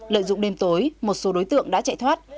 lợi dụng đêm tối một số đối tượng đã chạy thoát